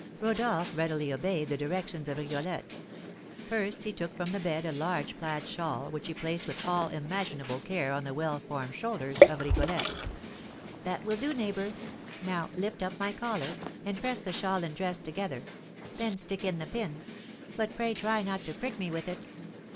Rodolph readily obeyed the directions of Rigolette. First he took from the bed a large plaid shawl, which he placed with all imaginable care on the well formed shoulders of Rigolette. "That will do, neighbour. Now, lift up my collar, and press the shawl and dress together; then stick in the pin; but pray try not to prick me with it."